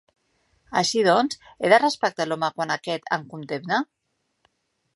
Així doncs, he de respectar l'home quan aquest em condemna?